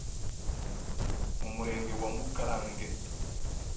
mu murenge wa Mukarange